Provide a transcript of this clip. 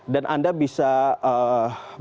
dan anda bisa berada di jawa tengah